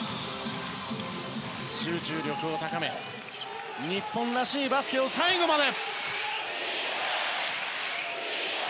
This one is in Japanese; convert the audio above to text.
集中力を高め日本らしいバスケを最後まで！